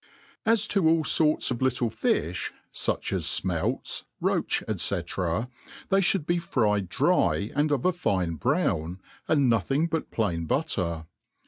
AS to all (brts of littlv fiih| fuch as rmelts, roacby &e. thejr 0iould be fried dry and of a fine brown^ aad notbiag but plain bu^er.